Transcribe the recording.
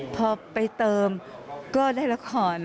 พอไปเติมก็ได้ละคร